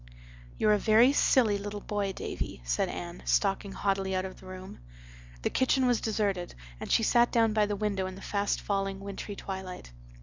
"You're a very silly little boy, Davy," said Anne, stalking haughtily out of the room. The kitchen was deserted and she sat down by the window in the fast falling wintry twilight.